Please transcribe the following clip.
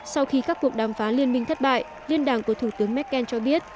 sau khi các cuộc đàm phán liên minh thất bại liên đảng của thủ tướng merkel cho biết